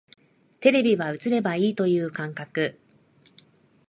テレビは映ればいいという感覚